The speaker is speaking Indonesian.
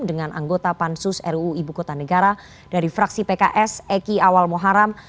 dengan anggota pansus ruu ibu kota negara dari fraksi pks eki awal muharam